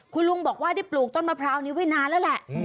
คุณลุงบอกว่าได้ปลูกต้นมะพร้าวนี้ไว้นานแล้วแหละ